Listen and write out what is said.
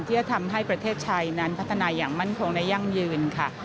ที่จะทำให้ประเทศไทยนั้นพัฒนาอย่างมั่นคงและยั่งยืนค่ะ